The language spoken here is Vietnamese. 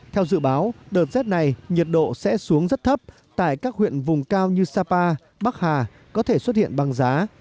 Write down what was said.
theo dự báo đợt rét này nhiệt độ sẽ xuống rất thấp tại các huyện vùng cao như sapa bắc hà có thể xuất hiện bằng giá